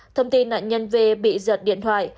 thông tin nạn nhân vê bị giật điện thoại